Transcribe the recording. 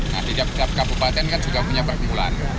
nah di kabupaten kan juga punya perkumpulan